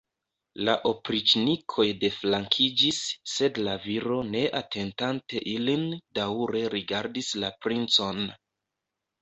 La opriĉnikoj deflankiĝis, sed la viro, ne atentante ilin, daŭre rigardis la princon.